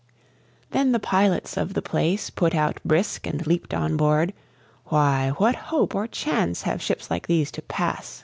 Then the pilots of the place put out brisk and leaped on board: "Why, what hope or chance have ships like these to pass?"